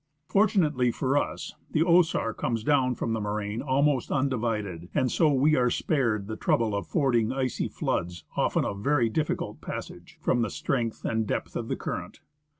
Fortunately for us, the Osar comes down from the moraine almost undivided, and so we are spared the trouble of fording icy floods often of very difficult passage from the strength and depth of the current.